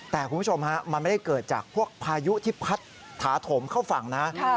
แต่คุณผู้ชมฮะมันไม่ได้เกิดจากพวกพายุที่พัดถาโถมเข้าฝั่งนะ